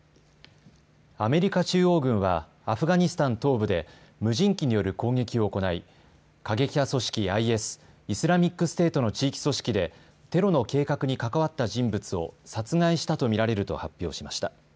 アメリカ中央軍はアフガニスタン東部で無人機による攻撃を行い、過激派組織ＩＳ・イスラミックステートの地域組織でテロの計画に関わった人物を殺害したと見られると発表しました。